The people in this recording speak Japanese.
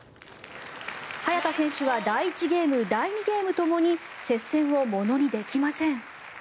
早田選手は第１ゲーム、第２ゲームともに接戦をものにできません。